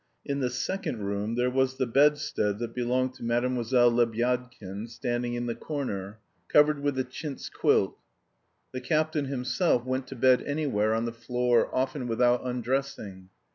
In the second room there was the bedstead that belonged to Mlle. Lebyadkin standing in the corner, covered with a chintz quilt; the captain himself went to bed anywhere on the floor, often without undressing.